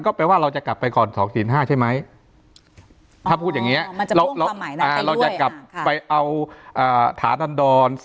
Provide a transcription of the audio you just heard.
ก็แปลว่าเราจะกลับไปก่อนส